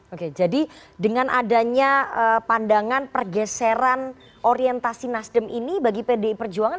oke jadi dengan adanya pandangan pergeseran orientasi nasdem ini bagi pdi perjuangan